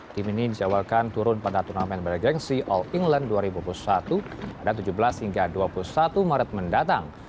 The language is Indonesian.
tim ini dijawabkan turun pada turnamen bergensi all england dua ribu dua puluh satu pada tujuh belas hingga dua puluh satu maret mendatang